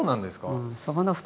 うん。